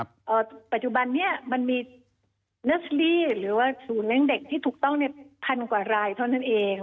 ในเรื่องนี้ด้วยว่าปัจจุบันนี้มันมีเนิ่าซีเดียหรือว่าศูนิก็ตรงกว่ารายเท่านั้นเอง